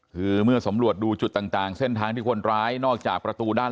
คือเมื่อสำรวจดูจุดต่างเส้นทางที่คนร้ายนอกจากประตูด้าน